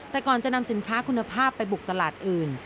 แต่ก่อนจะนำสินค้าคุณภาพไปบุกตลาดอื่น